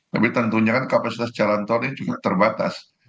tapi tentunya kan kapasitas jalan tol ini juga terbatas